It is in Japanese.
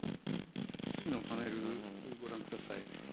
次のパネルご覧ください。